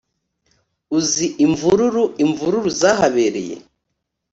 uzi imvururu imvururu zahabereye